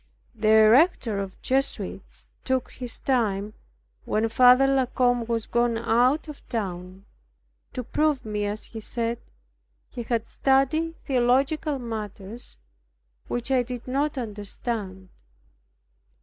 The Rector of the Jesuits took his time, when Father La Combe was gone out of town, to prove me, as he said. He had studied theological matters, which I did not understand.